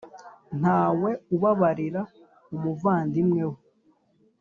nta we ubabarira umuvandimwe we.